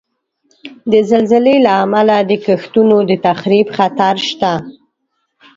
د زلزلې له امله د کښتونو د تخریب خطر شته.